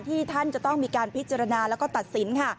ท่านจะต้องมีการพิจารณาแล้วก็ตัดสินค่ะ